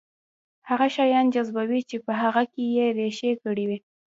هغه شيان جذبوي چې په هغه کې يې رېښې کړې وي.